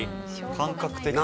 感覚的な。